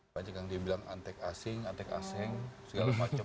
banyak yang dibilang antek asing antek asing segala macam